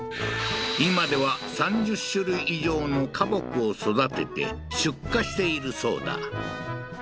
今では３０種類以上の花木を育てて出荷しているそうだ